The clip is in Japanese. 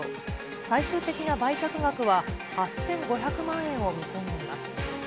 最終的な売却額は８５００万円を見込んでいます。